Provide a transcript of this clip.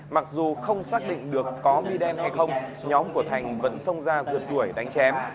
mặc dù không xác định được có bia đen hay không nhóm của thành vẫn xông ra rượt đuổi đánh chém